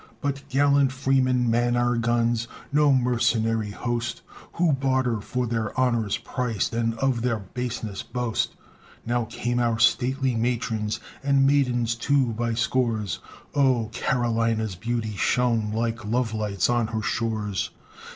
But gallant freemen man our guns, No mercenary host, Who barter for their honor's price, And of their baseness boast. Now came our stately matrons, And maidens, too, by scores; Oh! Carolina's beauty shone Like love lights on her shores.